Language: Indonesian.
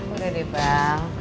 udah deh bang